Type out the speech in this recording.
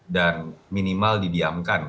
dan minimal didiamkan